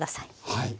はい。